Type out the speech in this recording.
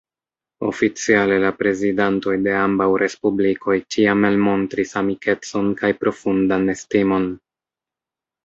Oficiale la prezidantoj de ambaŭ respublikoj ĉiam elmontris amikecon kaj profundan estimon.